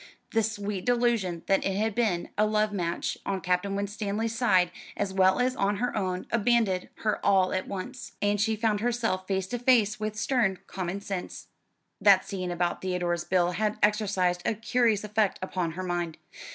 The sweet delusion that it had been a love match on Captain Winstanley's side, as well as on her own, abandoned her all at once, and she found herself face to face with stern common sense. That scene about Theodore's bill had exercised a curious effect upon her mind.